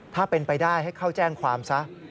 ถ้าเป็นไปได้ให้เข้าแจ้งความซะ